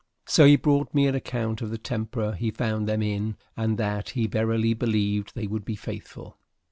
So he brought me an account of the temper he found them in and that he verily believed they would be faithful.